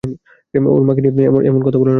ওর মাকে নিয়ে এমন কথা বলো না, নরেন।